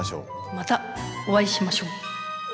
またお会いしましょう。